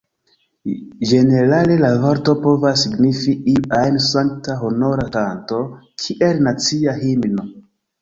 Ĝenerale, la vorto povas signifi iu ajn sankta honora kanto, kiel nacia himno.